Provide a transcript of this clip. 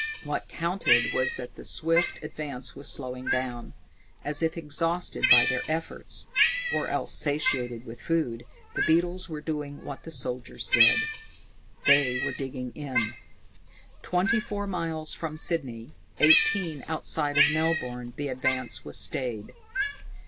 What counted was that the swift advance was slowing down. As if exhausted by their efforts, or else satiated with food, the beetles were doing what the soldiers did. They were digging in! Twenty four miles from Sydney, eighteen outside Melbourne, the advance was stayed.